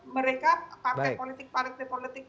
mereka partai politik